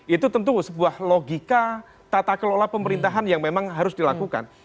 itu tentu sebuah logika tata kelola pemerintahan yang memang harus dilakukan